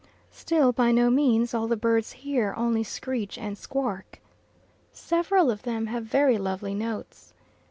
Still, by no means all the birds here only screech and squark. Several of them have very lovely notes.